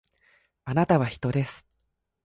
あなたは人です